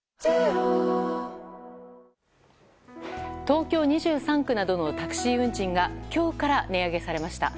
東京２３区などのタクシー運賃が今日から値上げされました。